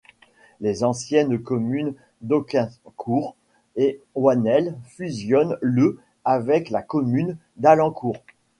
Les anciennes communes d'Hocquincourt et Wanel fusionnent le avec la commune d'Hallencourt.